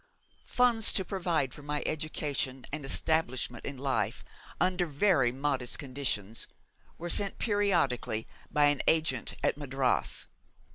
Funds to provide for my education and establishment in life, under very modest conditions, were sent periodically by an agent at Madras.